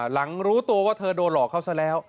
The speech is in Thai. หลังรู้ตัวว่าเธอโดนหลอกเขาซะแล้ว